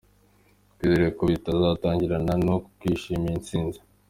Twizere ko bitazarangirana n’uku kwishimira iyi ntsinzi.